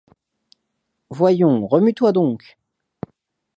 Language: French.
Voyons, remue-toi donc !